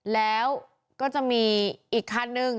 แล้วก็จะมีอีกคันนึง